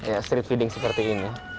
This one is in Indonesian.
ya street feeding seperti ini